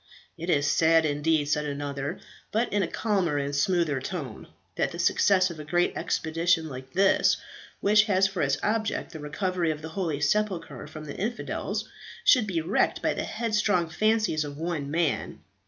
"It is sad indeed," said another, but in a calmer and smoother tone, "that the success of a great expedition like this, which has for its object the recovery of the holy sepulchre from the infidels, should be wrecked by the headstrong fancies of one man.